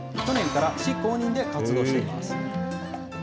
去年から市公認で活動しています。